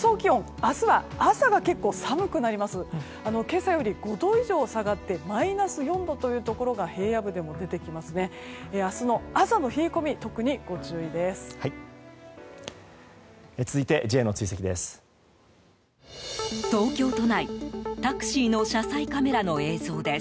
明日の朝の冷え込み特にご注意です。